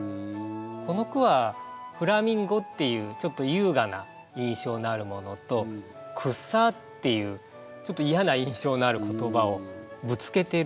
この句は「フラミンゴ」っていうちょっと優雅な印象のあるものと「くっさー」っていうちょっと嫌な印象のある言葉をぶつけてる。